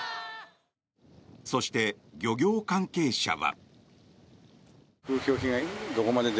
そして、漁業関係者は。